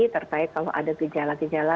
terkait kalau ada gejala gejala